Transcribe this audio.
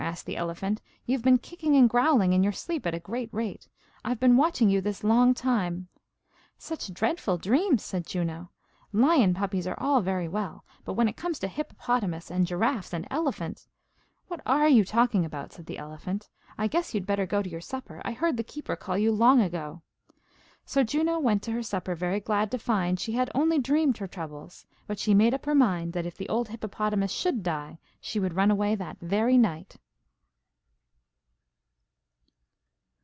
asked the elephant. "You've been kicking and growling in your sleep at a great rate. I've been watching you this long time." "Such dreadful dreams!" said Juno. "Lion puppies are all very well, but when it comes to hippopotamus, and giraffes, and elephant " "What are you talking about?" said the elephant. "I guess you'd better go to your supper; I heard the keeper call you long ago." So Juno went to her supper very glad to find she had only dreamed her troubles; but she made up her mind that if the old hippopotamus should die, she would run away that very night.